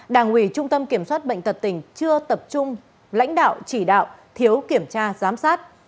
đảng ủy trung tâm kiểm soát bệnh tật tỉnh chưa tập trung lãnh đạo chỉ đạo thiếu kiểm tra giám sát